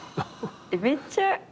めっちゃ。